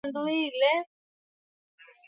amesema hakuna mtu anayeruhusiwa kuogopa